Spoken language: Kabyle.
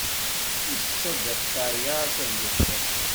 Yessa-d apayas ad yeṭṭes.